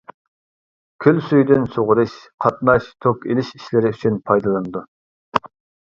كۆل سۈيىدىن سۇغىرىش، قاتناش، توك ئېلىش ئىشلىرى ئۈچۈن پايدىلىنىدۇ.